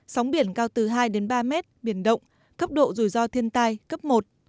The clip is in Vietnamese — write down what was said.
sóng biển cao từ hai đến ba mét biển động cấp độ rủi ro thiên tai cấp một